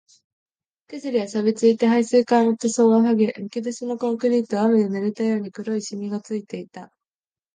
手すりは錆ついて、配水管の塗装ははげ、むき出しのコンクリートは雨で濡れたように黒いしみがついていた